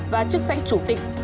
và chức sách chủ tịch